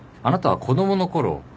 あなたは子供のころ